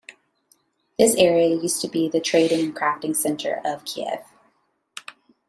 This area used to be the trading and crafting center of Kiev.